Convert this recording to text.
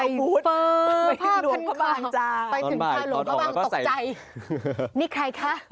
ไปถึงผ้าหลวงบางจ่าตอนบ่ายพอดออกแล้วก็ใส่นี่ใครคะ